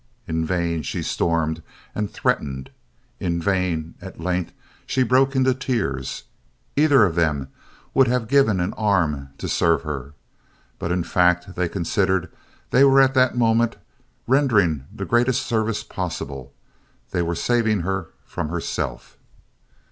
In vain she stormed and threatened. In vain, at length, she broke into tears. Either of them would have given an arm to serve her. But in fact they considered they were at that moment rendering the greatest service possible. They were saving her from herself.